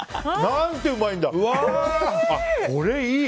何てうまいんだ！